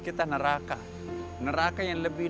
kalau semuanya ini itu